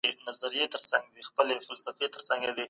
ايا تعليم مهم دی؟